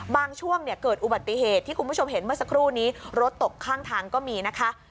ช่วงเนี่ยเกิดอุบัติเหตุที่คุณผู้ชมเห็นเมื่อสักครู่นี้รถตกข้างทางก็มีนะคะ